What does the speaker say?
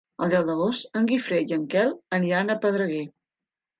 El deu d'agost en Guifré i en Quel aniran a Pedreguer.